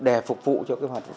để phục vụ cho cái hoạt động phòng